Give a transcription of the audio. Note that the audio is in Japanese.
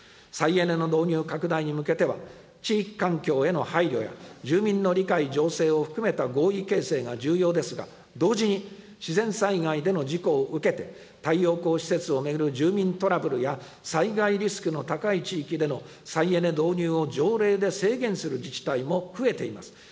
再エネの導入拡大に向けては、地域環境への配慮や、住民の理解醸成を含めた合意形成が重要ですが、同時に、自然災害での事故を受けて、太陽光施設を巡る住民トラブルや、災害リスクの高い地域での再エネ導入を条例で制限する自治体も増えています。